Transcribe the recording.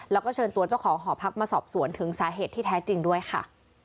แล้วก็เชิญตัวเจ้าของหอพักมาสอบสวนถึงสาเหตุที่แท้จริงด้วยค่ะ